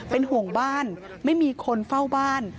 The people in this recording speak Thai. เป็นห่วงบ้านไม่มีคนเฝ้าบ้าน